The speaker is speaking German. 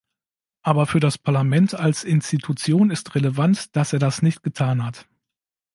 Aber für das Parlament als Institution ist relevant, dass er das nicht getan hat.